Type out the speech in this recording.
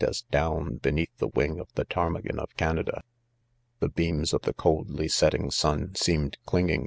as. down,, beneath ,ttie wing, of ,the ptarmigan^ of Canada. c The beams, of the coldly setting sun seem ed clinging.